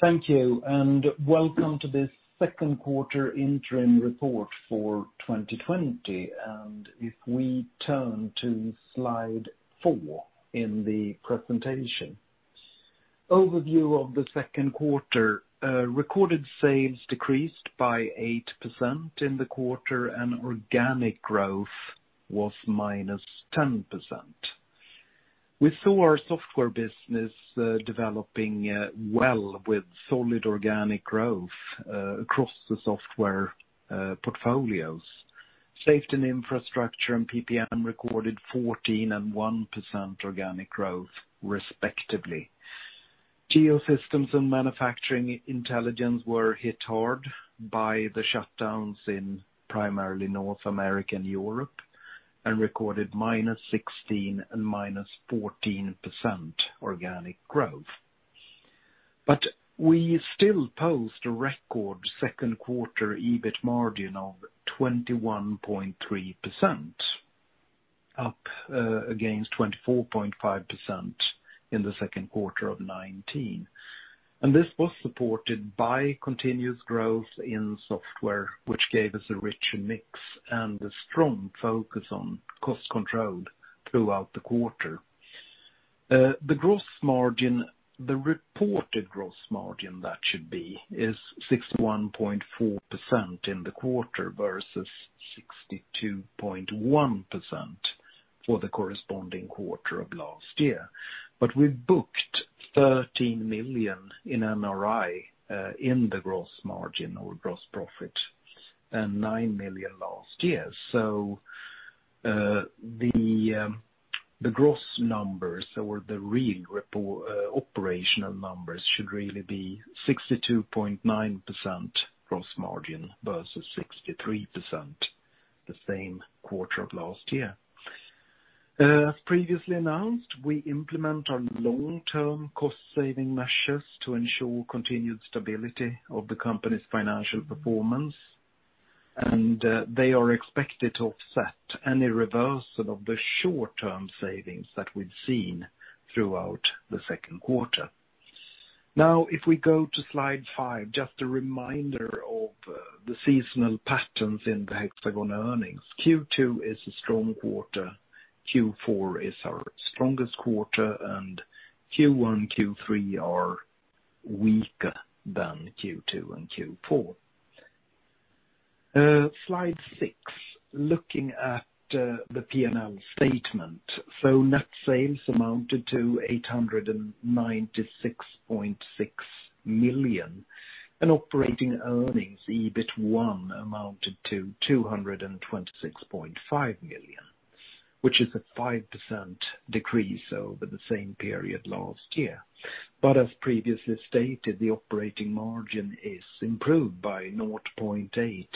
Thank you. Welcome to this second quarter interim report for 2020. If we turn to slide four in the presentation. Overview of the second quarter. Recorded sales decreased by 8% in the quarter, and organic growth was -10%. We saw our software business developing well with solid organic growth across the software portfolios. Safety and Infrastructure and PPM recorded 14% and 1% organic growth respectively. Geosystems and Manufacturing Intelligence were hit hard by the shutdowns in primarily North America and Europe, and recorded -16% and -14% organic growth. We still post a record second quarter EBIT margin of 21.3%, up against 24.5% in the second quarter of 2019. This was supported by continuous growth in software, which gave us a richer mix and a strong focus on cost control throughout the quarter. The gross margin, the reported gross margin, that should be, is 61.4% in the quarter versus 62.1% for the corresponding quarter of last year. We've booked 13 million in NRI in the gross margin or gross profit and 9 million last year. The gross numbers or the real operational numbers should really be 62.9% gross margin versus 63% the same quarter of last year. As previously announced, we implement our long-term cost-saving measures to ensure continued stability of the company's financial performance, and they are expected to offset any reversal of the short-term savings that we've seen throughout the second quarter. If we go to slide five, just a reminder of the seasonal patterns in the Hexagon earnings. Q2 is a strong quarter, Q4 is our strongest quarter, and Q1, Q3 are weaker than Q2 and Q4. Slide six, looking at the P&L statement. Net sales amounted to 896.6 million, and operating earnings, EBIT1 amounted to 226.5 million, which is a 5% decrease over the same period last year. As previously stated, the operating margin is improved by 0.8%.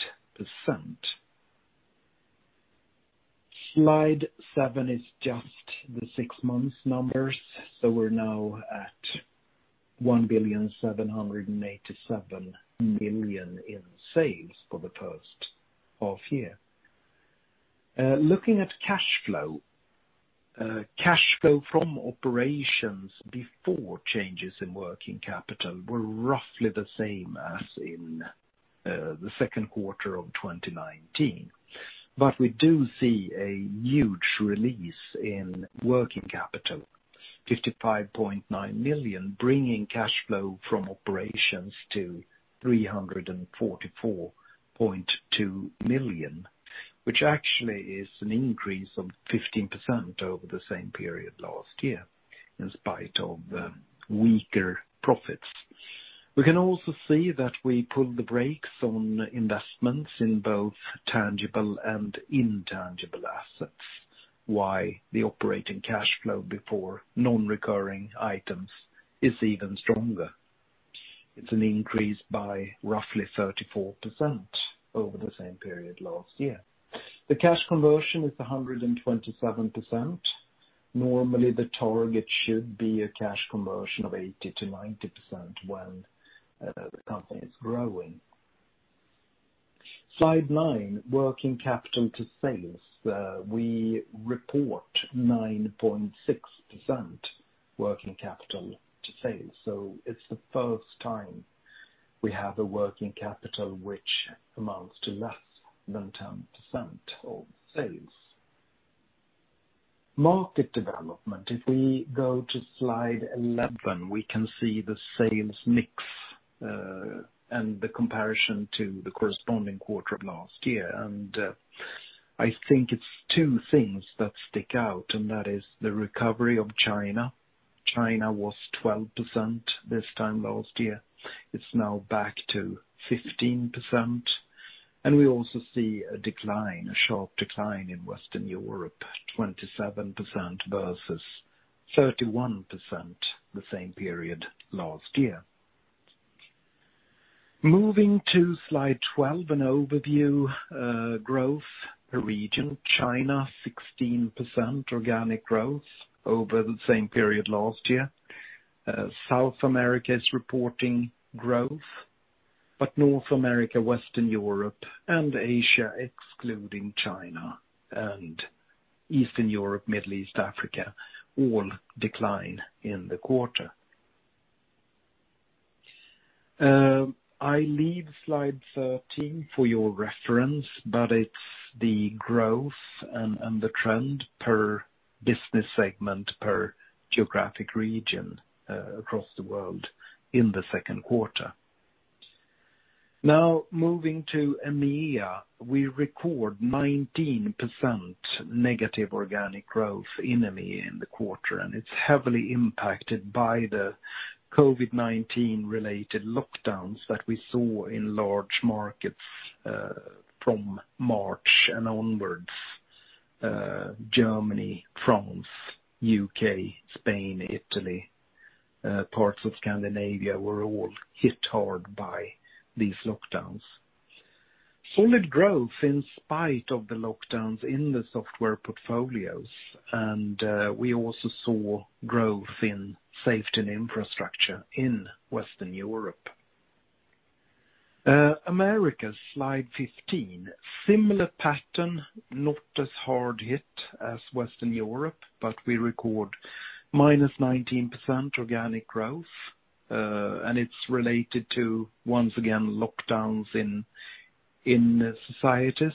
Slide seven is just the six months numbers, we're now at 1,787 million in sales for the first half year. Looking at cash flow. Cash flow from operations before changes in working capital were roughly the same as in the second quarter of 2019. We do see a huge release in working capital, 55.9 million, bringing cash flow from operations to 344.2 million, which actually is an increase of 15% over the same period last year, in spite of weaker profits. We can also see that we pulled the brakes on investments in both tangible and intangible assets, why the operating cash flow before non-recurring items is even stronger. It's an increase by roughly 34% over the same period last year. The cash conversion is 127%. Normally, the target should be a cash conversion of 80%-90% when the company is growing. Slide nine, working capital to sales. We report 9.6% working capital to sales. It's the first time we have a working capital which amounts to less than 10% of sales. Market development. If we go to slide 11, we can see the sales mix, and the comparison to the corresponding quarter of last year. I think it's two things that stick out, and that is the recovery of China. China was 12% this time last year. It's now back to 15%. We also see a decline, a sharp decline in Western Europe, 27% versus 31% the same period last year. Moving to slide 12, an overview, growth region. China, 16% organic growth over the same period last year. South America is reporting growth. North America, Western Europe, and Asia, excluding China and Eastern Europe, Middle East, Africa, all decline in the quarter. I leave slide 13 for your reference, but it's the growth and the trend per business segment, per geographic region across the world in the second quarter. Now moving to EMEA, we record 19% negative organic growth in EMEA in the quarter, and it's heavily impacted by the COVID-19 related lockdowns that we saw in large markets from March and onwards. Germany, France, U.K., Spain, Italy, parts of Scandinavia were all hit hard by these lockdowns. Solid growth in spite of the lockdowns in the software portfolios, and we also saw growth in safety and infrastructure in Western Europe. Americas, slide 15. Similar pattern, not as hard hit as Western Europe, but we record -19% organic growth, and it's related to, once again, lockdowns in societies.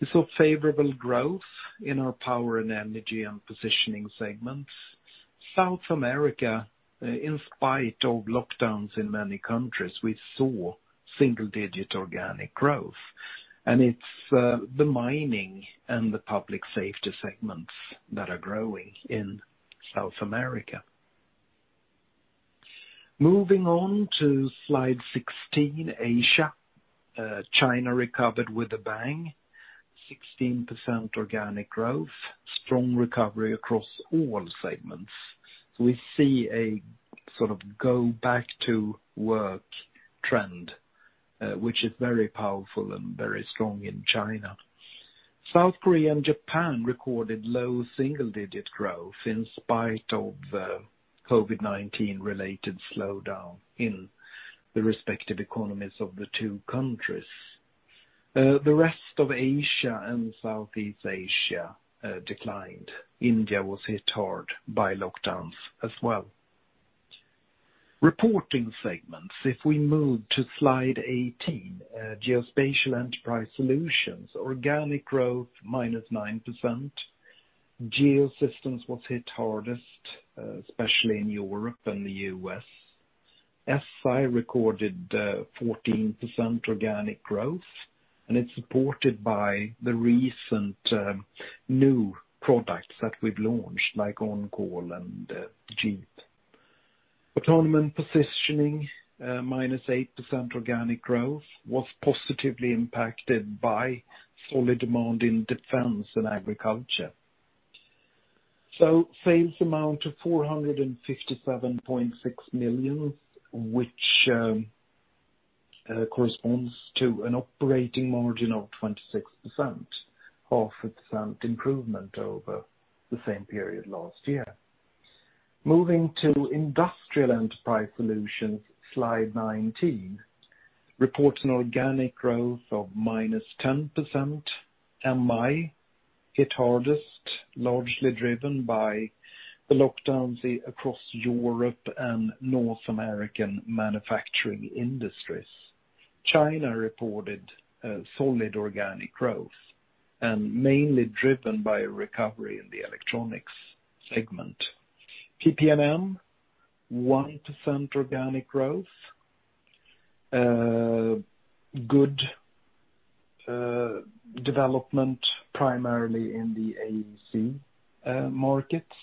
We saw favorable growth in our power and energy and positioning segments. South America, in spite of lockdowns in many countries, we saw single-digit organic growth, and it's the mining and the public safety segments that are growing in South America. Moving on to slide 16, Asia. China recovered with a bang, 16% organic growth, strong recovery across all segments. We see a go back to work trend, which is very powerful and very strong in China. South Korea and Japan recorded low single-digit growth in spite of the COVID-19 related slowdown in the respective economies of the two countries. The rest of Asia and Southeast Asia declined. India was hit hard by lockdowns as well. Reporting segments. If we move to slide 18, Geospatial Enterprise Solutions, organic growth -9%. Geosystems was hit hardest, especially in Europe and the U.S. SI recorded 14% organic growth, and it's supported by the recent new products that we've launched, like OnCall and GEP. Autonomy and Positioning, -8% organic growth, was positively impacted by solid demand in defense and agriculture. Sales amount to 457.6 million, which corresponds to an operating margin of 26%, half a percent improvement over the same period last year. Moving to Industrial Enterprise Solutions, slide 19. Reports an organic growth of -10%. MI hit hardest, largely driven by the lockdowns across Europe and North American manufacturing industries. China reported solid organic growth and mainly driven by a recovery in the electronics segment. PP&M, 1% organic growth. Good development primarily in the AEC markets.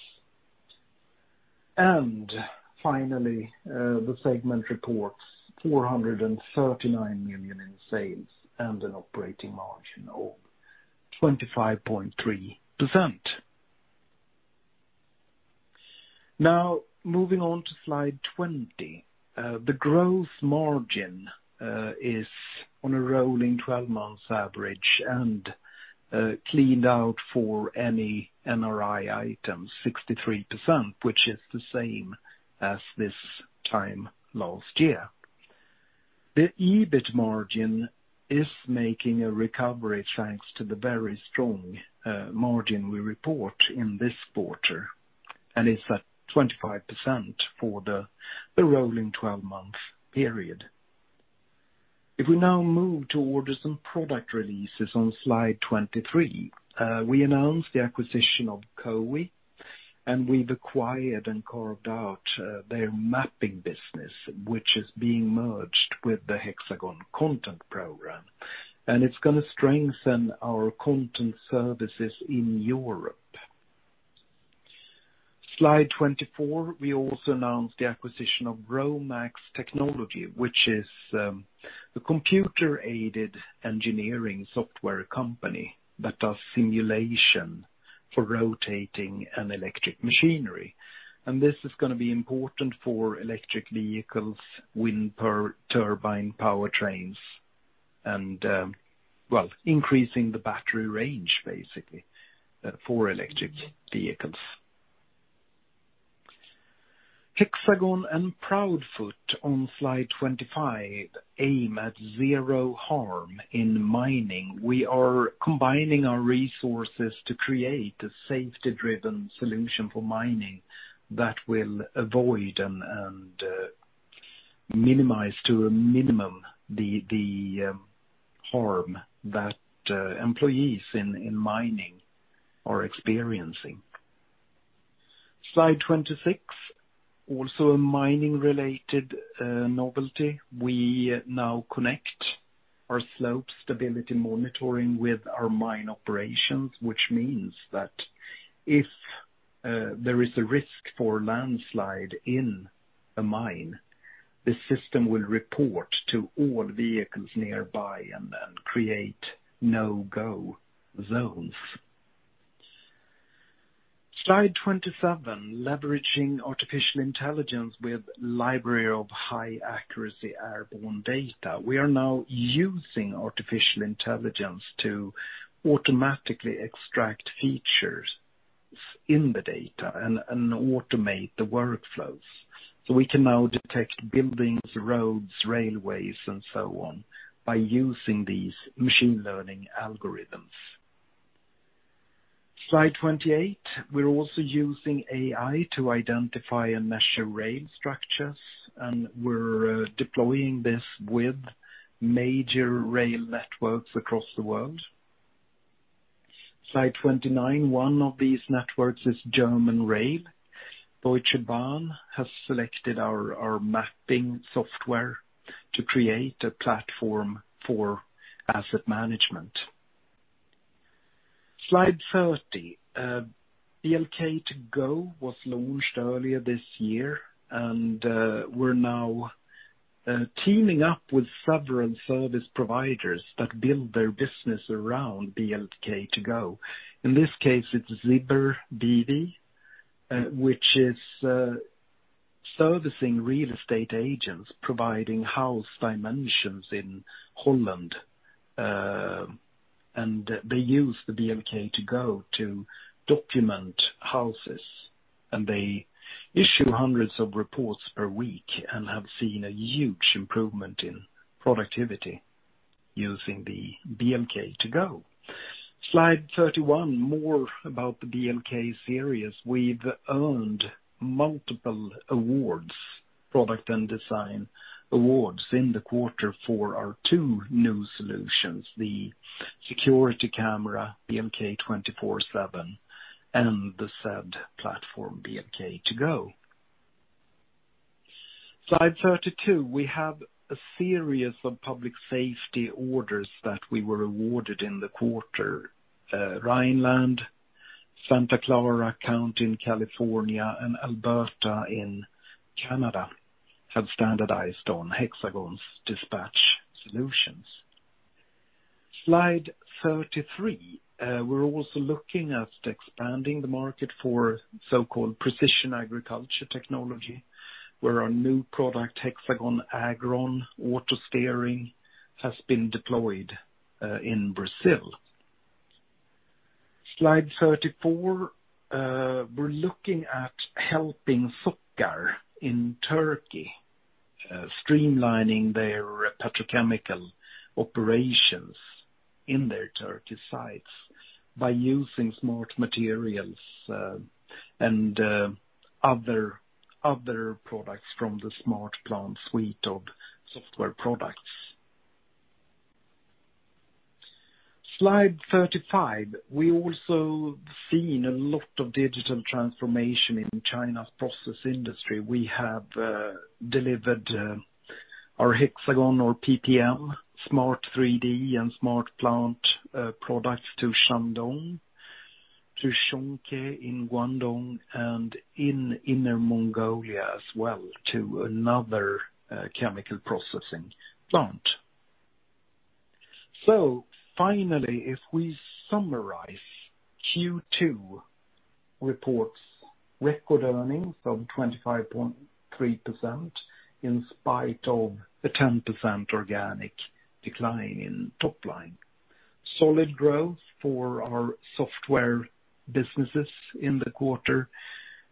Finally, the segment reports 439 million in sales and an operating margin of 25.3%. Moving on to slide 20. The gross margin is on a rolling 12-month average and cleaned out for any NRI items, 63%, which is the same as this time last year. The EBIT margin is making a recovery thanks to the very strong margin we report in this quarter, and it's at 25% for the rolling 12-month period. If we move to orders and product releases on slide 23, we announced the acquisition of COWI, and we've acquired and carved out their mapping business, which is being merged with the HxGN Content Program. It's going to strengthen our content services in Europe. Slide 24, we also announced the acquisition of Romax Technology, which is a computer-aided engineering software company that does simulation for rotating and electric machinery. This is going to be important for electric vehicles, wind turbine powertrains, and increasing the battery range, basically, for electric vehicles. Hexagon and Proudfoot on slide 25 aim at zero harm in mining. We are combining our resources to create a safety-driven solution for mining that will avoid and minimize to a minimum the harm that employees in mining are experiencing. Slide 26, also a mining-related novelty. We now connect our slope stability monitoring with our mine operations, which means that if there is a risk for landslide in a mine, the system will report to all vehicles nearby and then create no-go zones. Slide 27, leveraging artificial intelligence with library of high accuracy airborne data. We are now using artificial intelligence to automatically extract features in the data and automate the workflows. We can now detect buildings, roads, railways, and so on, by using these machine learning algorithms. Slide 28, we're also using AI to identify and measure rail structures, and we're deploying this with major rail networks across the world. Slide 29. One of these networks is German Rail. Deutsche Bahn has selected our mapping software to create a platform for asset management. Slide 30. BLK2GO was launched earlier this year, and we're now teaming up with several service providers that build their business around BLK2GO. In this case, it's Zibber B.V., which is servicing real estate agents providing house dimensions in Holland. They use the BLK2GO to document houses. They issue hundreds of reports per week and have seen a huge improvement in productivity using the BLK2GO. Slide 31, more about the BLK series. We've earned multiple awards, product and design awards in the quarter for our two new solutions, the security camera, BLK247, and the said platform, BLK2GO. Slide 32, we have a series of public safety orders that we were awarded in the quarter. Rhineland, Santa Clara County in California, and Alberta in Canada have standardized on Hexagon's dispatch solutions. Slide 33. We are also looking at expanding the market for so-called precision agriculture technology, where our new product, HxGN AgrOn autosteering, has been deployed in Brazil. Slide 34, we are looking at helping SOCAR in Turkey, streamlining their petrochemical operations in their Turkey sites by using Smart Materials, and other products from the SmartPlant suite of software products. Slide 35. We also have seen a lot of digital transformation in China's process industry. We have delivered our Hexagon or PPM, Smart 3D and SmartPlant products to Shandong, to Zhongke in Guangdong, and in Inner Mongolia as well, to another chemical processing plant. Finally, if we summarize Q2 reports, record earnings of 25.3% in spite of the 10% organic decline in top line. Solid growth for our software businesses in the quarter,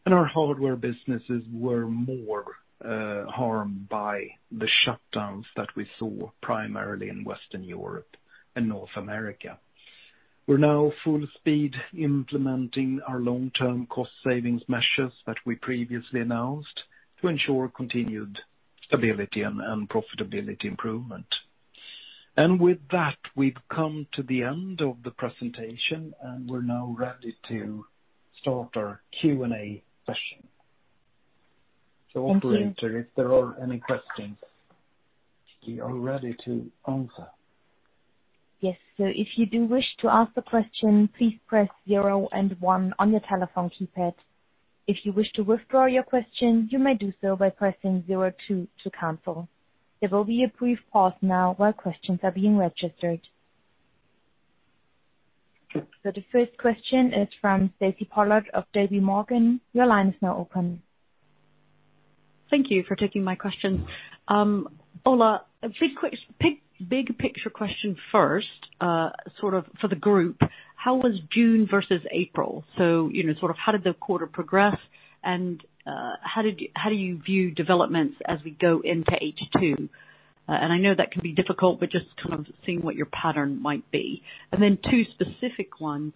and our hardware businesses were more harmed by the shutdowns that we saw primarily in Western Europe and North America. We're now full speed implementing our long-term cost savings measures that we previously announced to ensure continued stability and profitability improvement. With that, we've come to the end of the presentation, and we're now ready to start our Q&A session. Operator, if there are any questions, we are ready to answer. Yes. If you do wish to ask a question, please press zero and one on your telephone keypad. If you wish to withdraw your question, you may do so by pressing zero two to cancel. There will be a brief pause now while questions are being registered. The first question is from Stacy Pollard of JPMorgan. Your line is now open. Thank you for taking my questions. Ola, a big-picture question first, sort of for the group, how was June versus April? How did the Q2 progress, and how do you view developments as we go into H2? I know that can be difficult, but just kind of seeing what your pattern might be. Then two specific ones,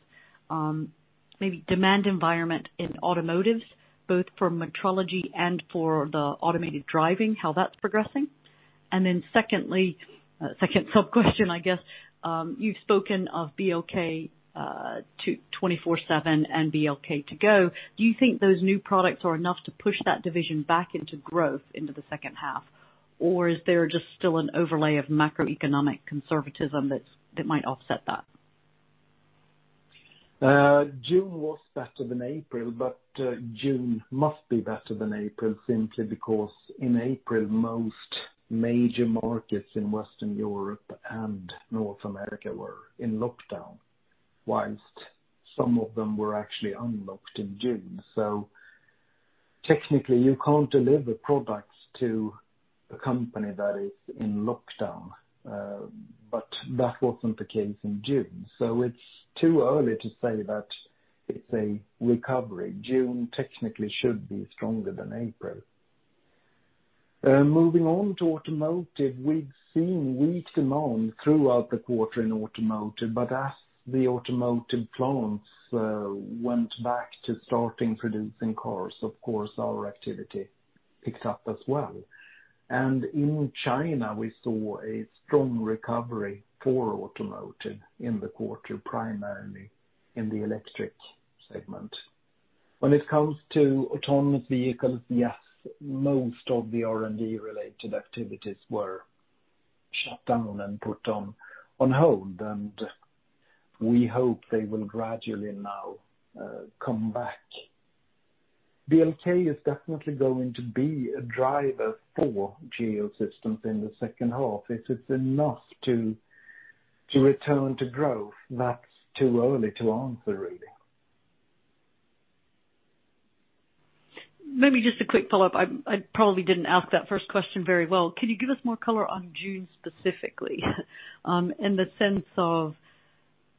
maybe demand environment in automotive, both for metrology and for the automated driving, how that's progressing. Then secondly, second sub-question, I guess. You've spoken of BLK247 and BLK2GO. Do you think those new products are enough to push that division back into growth into the second half? Is there just still an overlay of macroeconomic conservatism that might offset that? June was better than April. June must be better than April simply because in April, most major markets in Western Europe and North America were in lockdown, whilst some of them were actually unlocked in June. Technically, you can't deliver products to a company that is in lockdown. That wasn't the case in June. It's too early to say that it's a recovery. June technically should be stronger than April. Moving on to automotive, we've seen weak demand throughout the quarter in automotive, but as the automotive plants went back to starting producing cars, of course, our activity picked up as well. In China, we saw a strong recovery for automotive in the quarter, primarily in the electric segment. When it comes to autonomous vehicles, yes, most of the R&D-related activities were shut down and put on hold. We hope they will gradually now come back. BLK is definitely going to be a driver for Geosystems in the second half. If it's enough to return to growth, that's too early to answer, really. Maybe just a quick follow-up. I probably didn't ask that first question very well. Can you give us more color on June specifically? In the sense of,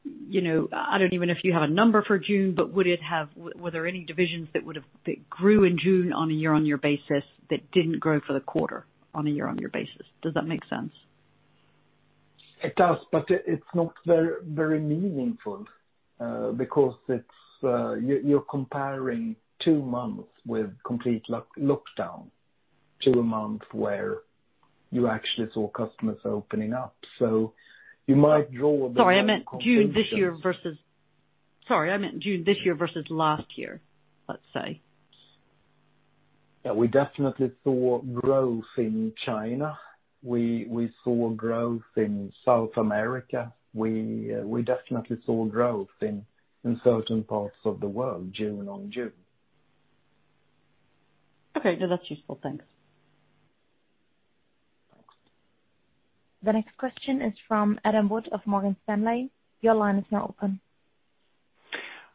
I don't even know if you have a number for June, but were there any divisions that grew in June on a year-on-year basis that didn't grow for the quarter on a year-on-year basis? Does that make sense? It does, but it's not very meaningful, because you're comparing two months with complete lockdown to a month where you actually saw customers opening up. Sorry, I meant June this year versus last year, let's say. We definitely saw growth in China. We saw growth in South America. We definitely saw growth in certain parts of the world, June-on-June. Okay, no, that's useful. Thanks. The next question is from Adam Wood of Morgan Stanley. Your line is now open.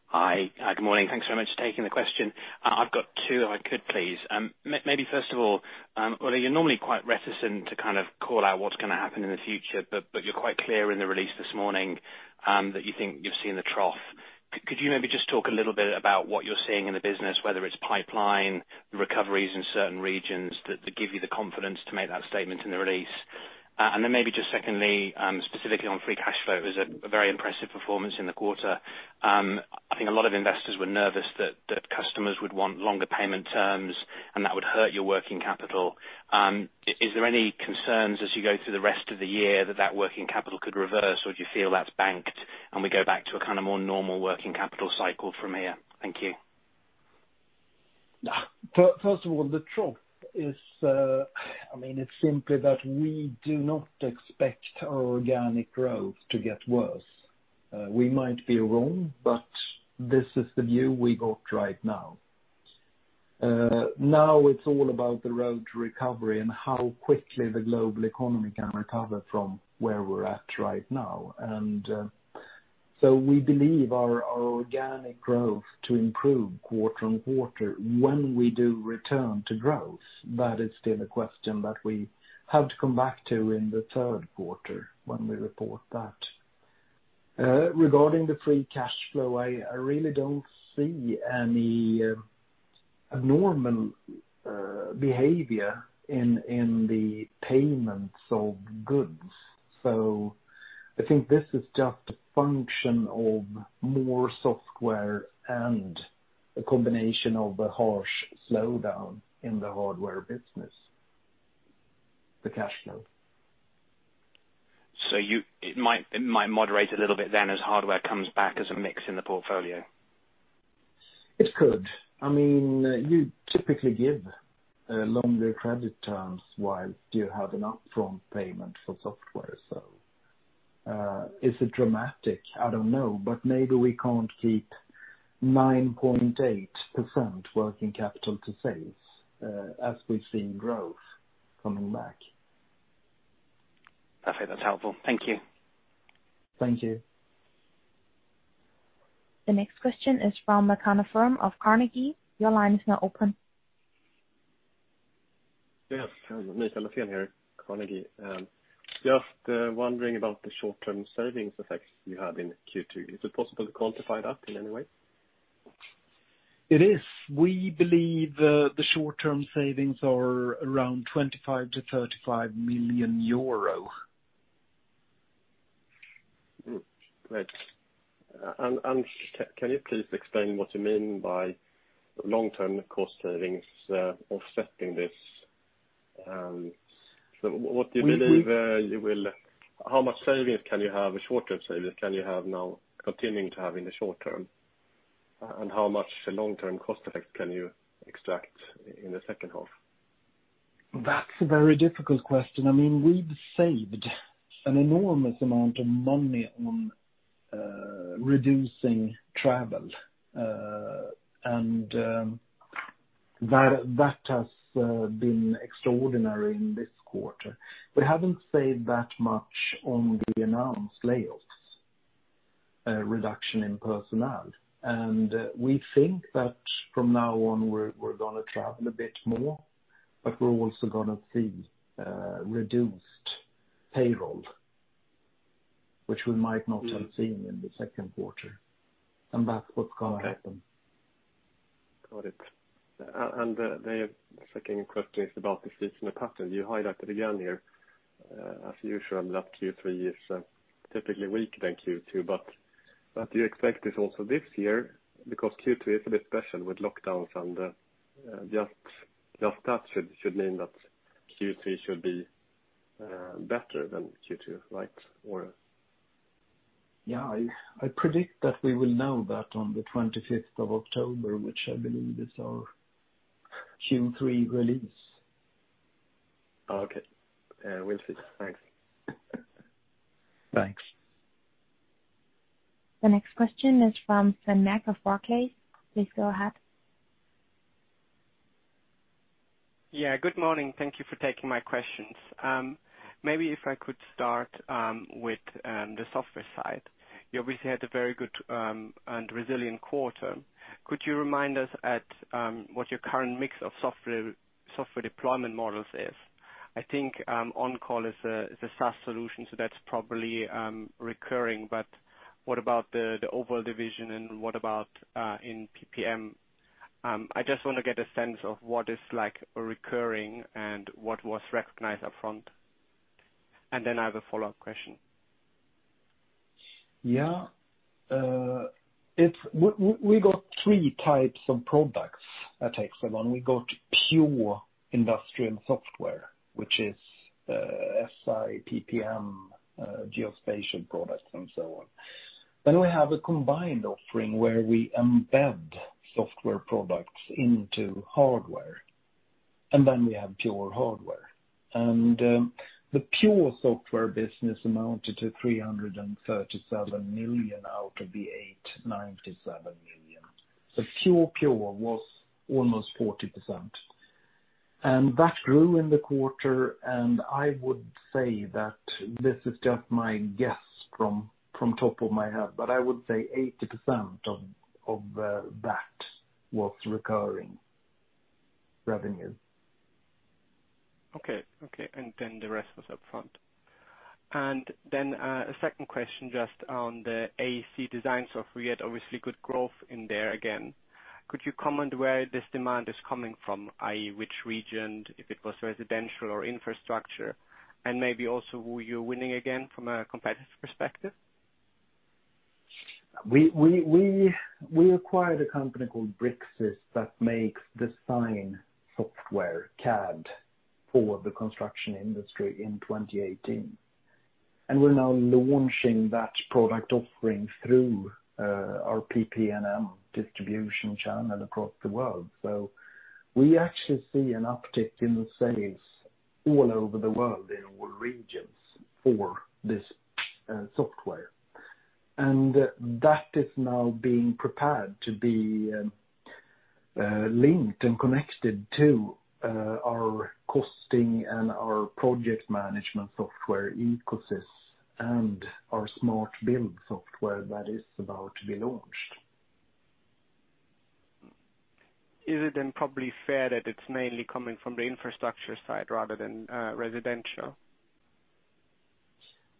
Hi, good morning. Thanks so much for taking the question. I've got two, if I could, please. Maybe first of all, Ola, you're normally quite reticent to kind of call out what's going to happen in the future, but you're quite clear in the release this morning that you think you've seen the trough. Could you maybe just talk a little bit about what you're seeing in the business, whether it's pipeline recoveries in certain regions that give you the confidence to make that statement in the release? Then maybe just secondly, specifically on free cash flow. It was a very impressive performance in the quarter. I think a lot of investors were nervous that customers would want longer payment terms, and that would hurt your working capital. Is there any concerns as you go through the rest of the year that that working capital could reverse, or do you feel that's banked and we go back to a kind of more normal working capital cycle from here? Thank you. First of all, the trough is, I mean, it's simply that we do not expect our organic growth to get worse. We might be wrong, but this is the view we got right now. Now it's all about the road to recovery and how quickly the global economy can recover from where we're at right now. We believe our organic growth to improve quarter-on-quarter when we do return to growth. That is still a question that we have to come back to in the third quarter when we report that. Regarding the free cash flow, I really don't see any abnormal behavior in the payments of goods. I think this is just a function of more software and a combination of a harsh slowdown in the hardware business, the cash flow. It might moderate a little bit then as hardware comes back as a mix in the portfolio? It could. I mean, you typically give longer credit terms while you have an upfront payment for software. Is it dramatic? I don't know, but maybe we can't keep 9.8% working capital to save as we're seeing growth coming back. Okay. That's helpful. Thank you. Thank you. The next question is from Mikael Laséen of Carnegie. Your line is now open. Yes, here, Carnegie. Just wondering about the short-term savings effect you have in Q2. Is it possible to quantify that in any way? It is. We believe the short-term savings are around 25 million-35 million euro. Great. Can you please explain what you mean by long-term cost savings, offsetting this? How much short-term savings can you have now continuing to have in the short term? How much long-term cost effect can you extract in the second half? That's a very difficult question. We've saved an enormous amount of money on reducing travel. That has been extraordinary in this quarter. We haven't saved that much on the announced layoffs, reduction in personnel. We think that from now on, we're going to travel a bit more, but we're also going to see reduced payroll, which we might not have seen in the second quarter. That's what's going to happen. Got it. The second question is about the seasonal pattern. You highlighted again here, as usual, that Q3 is typically weaker than Q2, but do you expect this also this year? Q2 is a bit special with lockdowns and just that should mean that Q3 should be better than Q2, right? Yeah. I predict that we will know that on the 25th of October, which I believe is our Q3 release. Okay. Will see. Thanks. Thanks. The next question is from Sven Merkt of 4Cast. Please go ahead. Yeah, good morning. Thank you for taking my questions. Maybe if I could start with the software side. You obviously had a very good and resilient quarter. Could you remind us what your current mix of software deployment models is? I think OnCall is a SaaS solution, so that's probably recurring, but what about the overall division and what about in PPM? I just want to get a sense of what is recurring and what was recognized up front. I have a follow-up question. We got 3 types of products at Hexagon. We got pure industrial software, which is SI, PPM, geospatial products, and so on. We have a combined offering where we embed software products into hardware, and then we have pure hardware. The pure software business amounted to 337 million out of the 897 million. Pure-pure was almost 40%. That grew in the quarter, and I would say that, this is just my guess from top of my head, but I would say 80% of that was recurring revenue. Okay. The rest was up front. A second question just on the AEC design software. You had obviously good growth in there again. Could you comment where this demand is coming from, i.e., which region, if it was residential or infrastructure, and maybe also who you're winning again from a competitive perspective? We acquired a company called Bricsys that makes design software, CAD, for the construction industry in 2018. We're now launching that product offering through our PPM distribution channel across the world. We actually see an uptick in the sales all over the world, in all regions for this software. That is now being prepared to be linked and connected to our costing and our project management software ecosystem and our Smart Build software that is about to be launched. Is it probably fair that it's mainly coming from the infrastructure side rather than residential?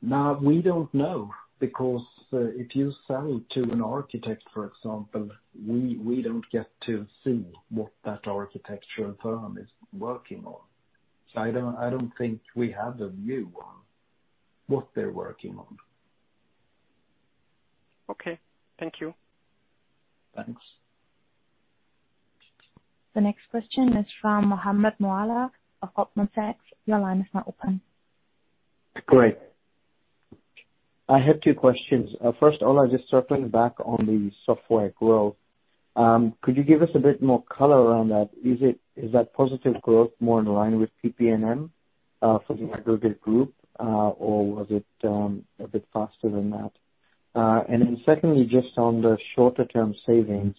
No, we don't know because if you sell to an architect, for example, we don't get to see what that architectural firm is working on. I don't think we have a view on what they're working on. Okay. Thank you. Thanks. The next question is from Mohammed Moawalla of Goldman Sachs. Your line is now open. Great. I have two questions. First, Ola, just circling back on the software growth. Could you give us a bit more color around that? Is that positive growth more in line with PPM for the aggregate group? Or was it a bit faster than that? Secondly, just on the shorter-term savings.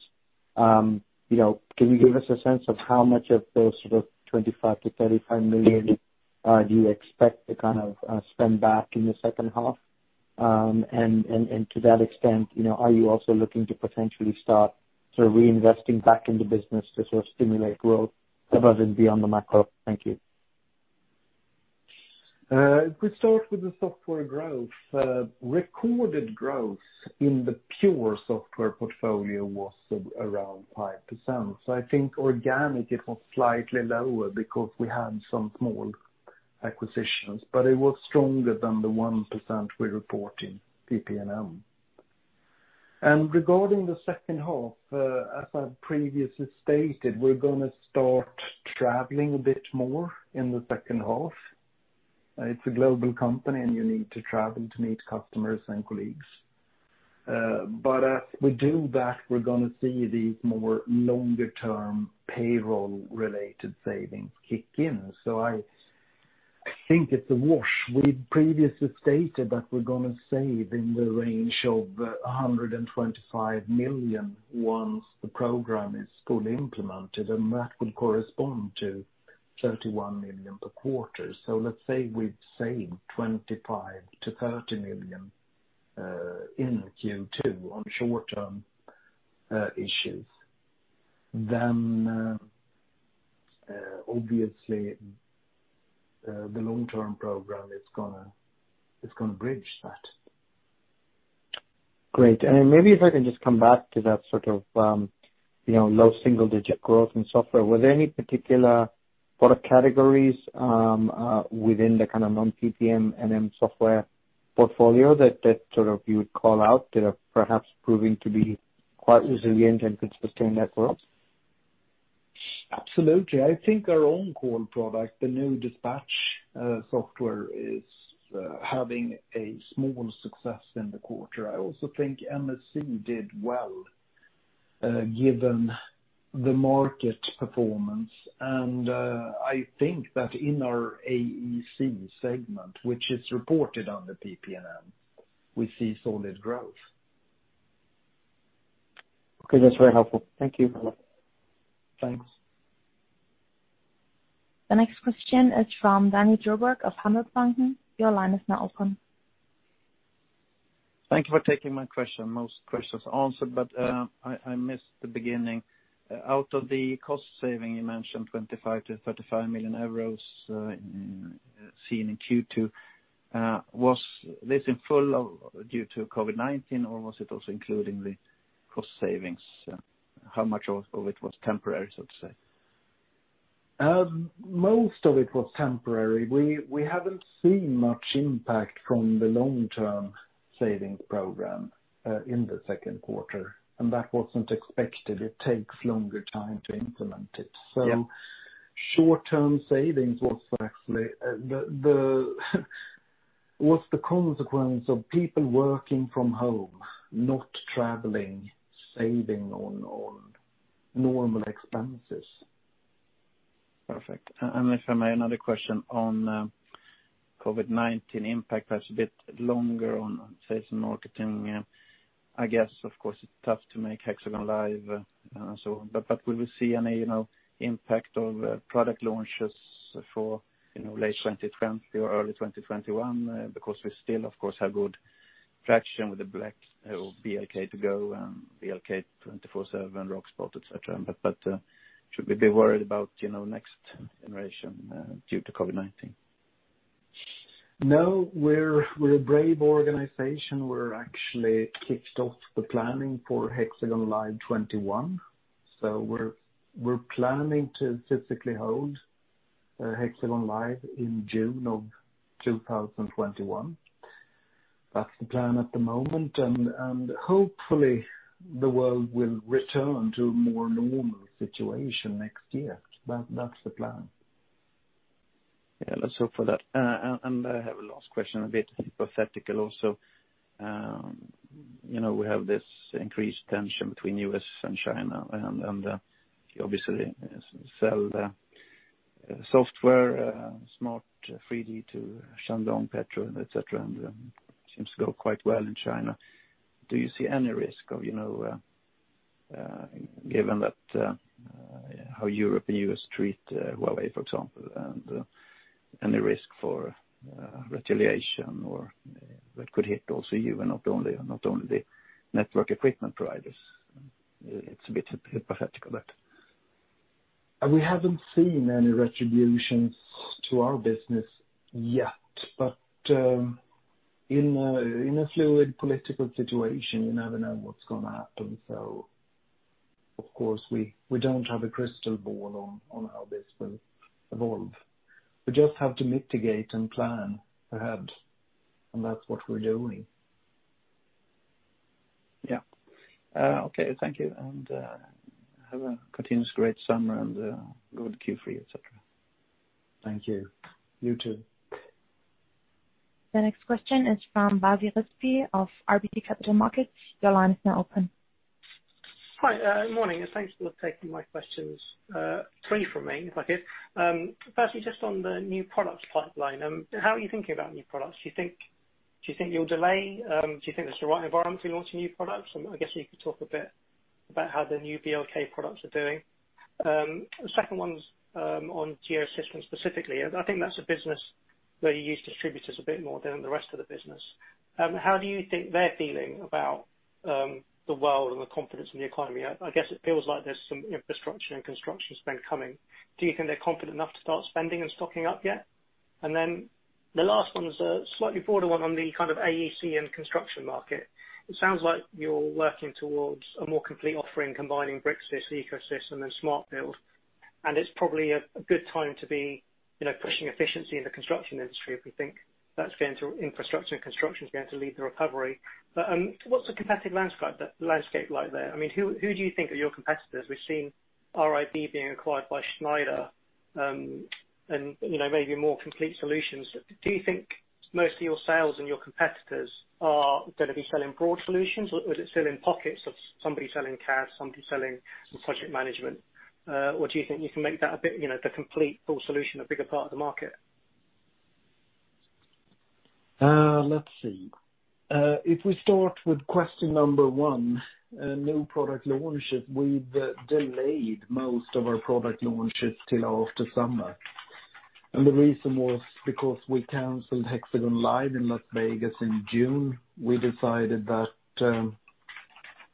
Can you give us a sense of how much of those sort of 25 million-35 million do you expect to spend back in the second half? To that extent, are you also looking to potentially start sort of reinvesting back in the business to stimulate growth above and beyond the macro? Thank you. We start with the software growth, recorded growth in the pure software portfolio was around 5%. I think organic it was slightly lower because we had some small acquisitions, but it was stronger than the 1% we report in PPM. Regarding the second half, as I've previously stated, we're going to start traveling a bit more in the second half. It's a global company, and you need to travel to meet customers and colleagues. As we do that, we're going to see these more longer-term payroll-related savings kick in. I think it's a wash. We've previously stated that we're going to save in the range of 125 million once the program is fully implemented, and that would correspond to 31 million per quarter. Let's say we've saved 25 million-30 million in Q2 on short-term issues. Obviously, the long-term program is going to bridge that. Great. Maybe if I can just come back to that low single-digit growth in software. Were there any particular product categories within the kind of non-PPM software portfolio that you would call out that are perhaps proving to be quite resilient and could sustain that growth? Absolutely. I think our own core product, the new Dispatch software, is having a small success in the quarter. I also think MSC did well given the market performance, and I think that in our AEC segment, which is reported under PPM, we see solid growth. Okay. That's very helpful. Thank you. Thanks. The next question is from Daniel Djurberg of Handelsbanken. Your line is now open. Thank you for taking my question. Most questions answered. I missed the beginning. Out of the cost saving, you mentioned 25 million-35 million euros seen in Q2. Was this in full due to COVID-19, or was it also including the cost savings? How much of it was temporary, so to say? Most of it was temporary. We haven't seen much impact from the long-term savings program in the second quarter. That wasn't expected. It takes longer time to implement it. Yeah. Short-term savings was actually the consequence of people working from home, not traveling, saving on all normal expenses. Perfect. If I may, another question on COVID-19 impact, perhaps a bit longer on sales and marketing. I guess, of course, it's tough to make HxGN LIVE. Will we see any impact of product launches for late 2020 or early 2021? We still, of course, have good traction with the BLK2GO and BLK247, RockSpot, et cetera. Should we be worried about next generation due to COVID-19? No, we're a brave organization. We're actually kicked off the planning for HxGN LIVE 21. We're planning to physically hold HxGN LIVE in June of 2021. That's the plan at the moment, and hopefully the world will return to a more normal situation next year. That's the plan. Yeah, let's hope for that. I have a last question, a bit hypothetical also. We have this increased tension between U.S. and China, and you obviously sell the software, Smart 3D to Shandong Petro, et cetera, and seems to go quite well in China. Do you see any risk, given how Europe and U.S. treat Huawei, for example, and any risk for retaliation, or that could hit also you and not only the network equipment providers? It's a bit hypothetical. We haven't seen any retributions to our business yet. In a fluid political situation, you never know what's going to happen. Of course, we don't have a crystal ball on how this will evolve. We just have to mitigate and plan, perhaps. That's what we're doing. Yeah. Okay. Thank you. Have a continuous great summer and good Q3, et cetera. Thank you. You too. The next question is from Bhavin Vithlani of RBC Capital Markets. Your line is now open. Hi. Morning, and thanks for taking my questions. Three from me, if I could. Firstly, just on the new products pipeline, how are you thinking about new products? Do you think you'll delay? Do you think that's the right environment to be launching new products? I guess you could talk a bit about how the new BLK products are doing. The second one's on Geosystems specifically. I think that's a business where you use distributors a bit more than the rest of the business. How do you think they're feeling about the world and the confidence in the economy? I guess it feels like there's some infrastructure and construction spend coming. Do you think they're confident enough to start spending and stocking up yet? The last one is a slightly broader one on the kind of AEC and construction market. It sounds like you're working towards a more complete offering combining Bricsys, EcoSys, and SMART Build, and it's probably a good time to be pushing efficiency in the construction industry, if we think infrastructure and construction's going to lead the recovery. What's the competitive landscape like there? Who do you think are your competitors? We've seen RIB being acquired by Schneider, and maybe more complete solutions. Do you think most of your sales and your competitors are going to be selling broad solutions, or is it still in pockets of somebody selling CAD, somebody selling project management? Do you think you can make the complete full solution a bigger part of the market? Let's see. If we start with question number one, new product launches, we've delayed most of our product launches till after summer. The reason was because we canceled HxGN LIVE in Las Vegas in June. We decided that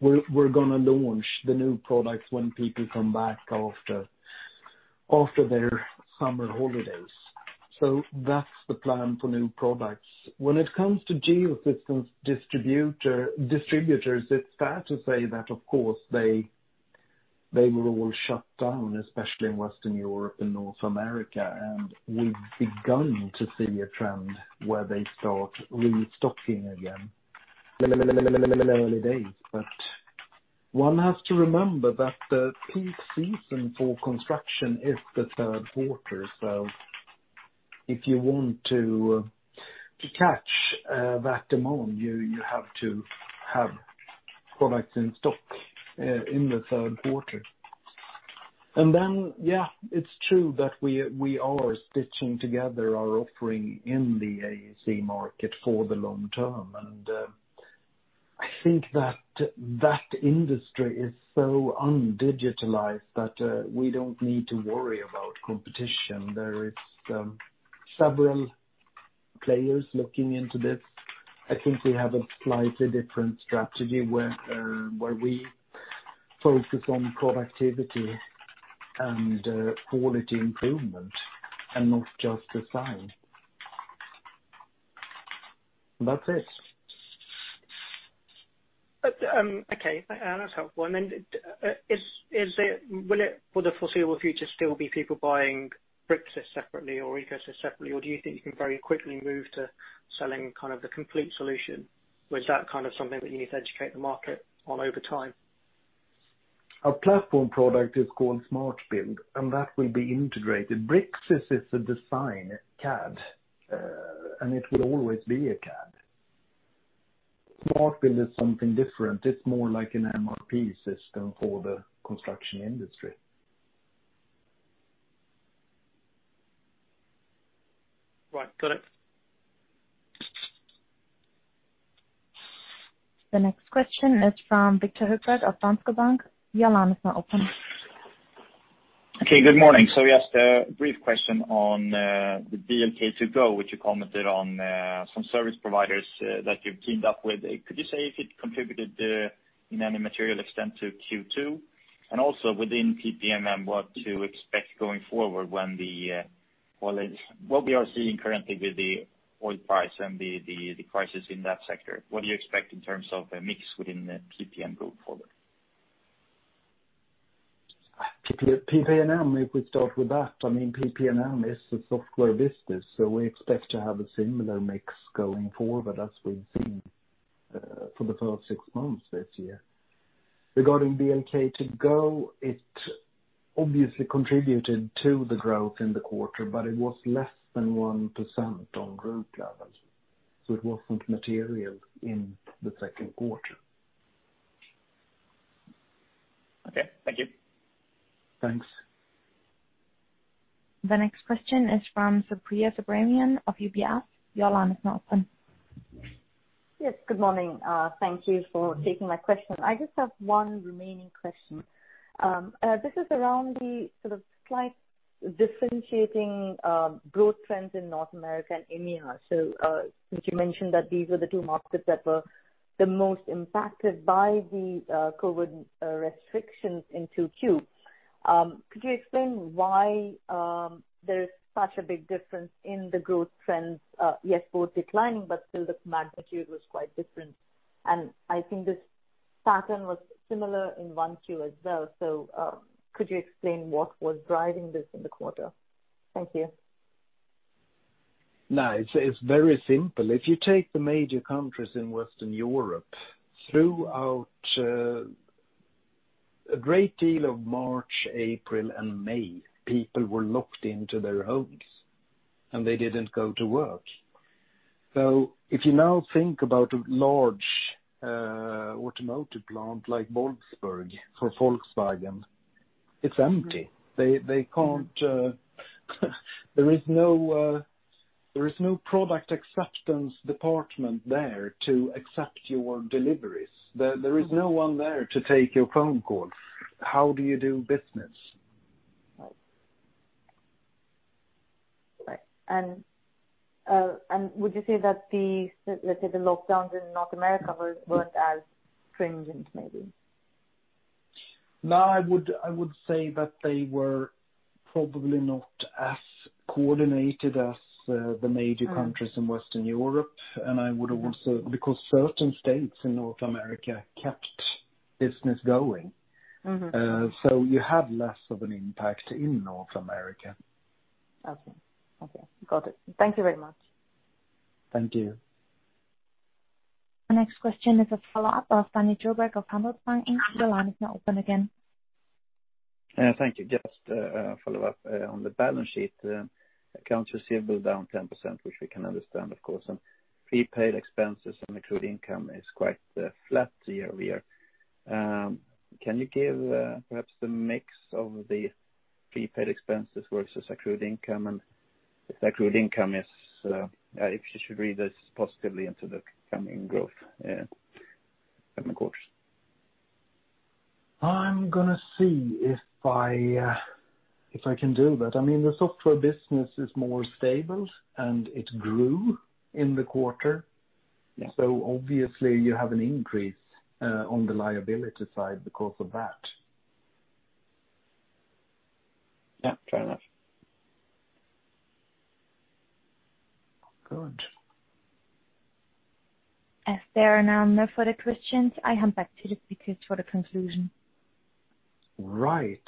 we're going to launch the new products when people come back after their summer holidays. That's the plan for new products. When it comes to Geosystems distributors, it's fair to say that, of course, they were all shut down, especially in Western Europe and North America, and we've begun to see a trend where they start restocking again. Early days, but one has to remember that the peak season for construction is the third quarter. If you want to catch that demand, you have to have products in stock in the third quarter. Yeah, it's true that we are stitching together our offering in the AEC market for the long term. I think that that industry is so undigitalized that we don't need to worry about competition. There is several players looking into this. I think we have a slightly different strategy where we focus on productivity and quality improvement and not just design. That's it. Okay. That's helpful. Will the foreseeable future still be people buying Bricsys separately or EcoSys separately, or do you think you can very quickly move to selling kind of the complete solution? Is that kind of something that you need to educate the market on over time? Our platform product is called Smart Build, and that will be integrated. Bricsys is a design CAD, and it will always be a CAD. Smart Build is something different. It's more like an MRP system for the construction industry. Right. Got it. The next question is from Viktor Trollsten of Swedbank. Your line is now open. Okay, good morning. Yes, a brief question on the BLK2GO, which you commented on some service providers that you've teamed up with. Could you say if it contributed in any material extent to Q2? Also within PPM, what to expect going forward with what we are seeing currently with the oil price and the crisis in that sector. What do you expect in terms of a mix within the PPM going forward? PP&M, if we start with that, PP&M is a software business, so we expect to have a similar mix going forward as we've seen for the first six months this year. Regarding BLK2GO, it obviously contributed to the growth in the quarter, but it was less than 1% on group level, so it wasn't material in the second quarter. Okay. Thank you. Thanks. The next question is from Supriya Subramanian of UBS. Your line is now open. Yes, good morning. Thank you for taking my question. I just have one remaining question. This is around the sort of slight differentiating growth trends in North America and India. Since you mentioned that these were the two markets that were the most impacted by the COVID-19 restrictions in Q2. Could you explain why there is such a big difference in the growth trends? Yes, both declining, but still the magnitude was quite different. I think this pattern was similar in Q1 as well. Could you explain what was driving this in the quarter? Thank you. No, it's very simple. If you take the major countries in Western Europe, throughout a great deal of March, April, and May, people were locked into their homes, and they didn't go to work. If you now think about a large automotive plant like Wolfsburg for Volkswagen. It's empty. There is no product acceptance department there to accept your deliveries. There is no one there to take your phone calls. How do you do business? Right. Would you say that the lockdowns in North America weren't as stringent maybe? No, I would say that they were probably not as coordinated as the major countries in Western Europe, because certain states in North America kept business going. You had less of an impact in North America. Okay. Got it. Thank you very much. Thank you. The next question is a follow-up of Daniel Djurberg of Handelsbanken. The line is now open again. Thank you. Just a follow-up on the balance sheet. Accounts receivable down 10%, which we can understand, of course, and prepaid expenses and accrued income is quite flat year-over-year. Can you give perhaps the mix of the prepaid expenses versus accrued income, and if accrued income, if you should read this positively into the coming growth in the course? I'm going to see if I can do that. The software business is more stable, and it grew in the quarter. Yeah. Obviously you have an increase on the liability side because of that. Yeah. Fair enough. Good. As there are now no further questions, I hand back to the speakers for the conclusion. Right.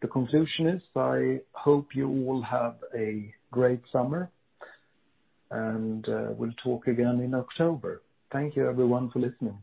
The conclusion is I hope you all have a great summer, and we'll talk again in October. Thank you, everyone, for listening.